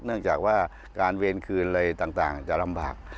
เนื่องจากว่าการเวรคืนอะไรต่างจะลำบาก